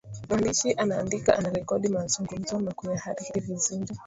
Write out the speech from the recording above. mwandishi anaandika anarekodi mazungumzo na kuyahariri vizuri